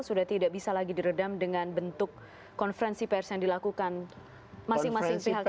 sudah tidak bisa lagi diredam dengan bentuk konferensi pers yang dilakukan masing masing pihak